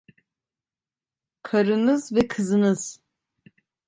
Karınız ve kızınız!